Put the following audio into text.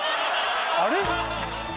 あれ？